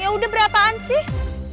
ya udah berapaan sih